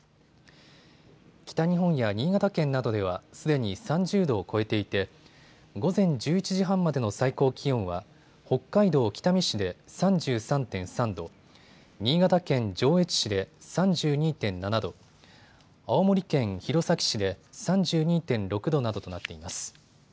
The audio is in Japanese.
北日本や新潟県などではすでに３０度を超えていて午前１１時半までの最高気温は北海道北見市で３３．３度、新潟県上越市で３２．７度、青森県弘前市で３２．６度などとなっています。